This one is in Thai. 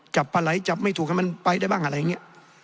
จับปลาไหลจับไม่ถูกให้มันไปได้บ้างอะไรอย่างนี้